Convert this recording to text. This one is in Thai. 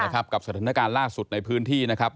กับสถานการณ์ล่าสุดในพื้นที่นะครับ